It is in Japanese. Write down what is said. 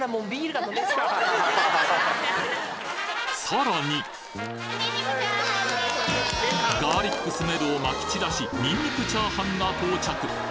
さらにガーリックスメルを撒き散らしニンニクチャーハンが到着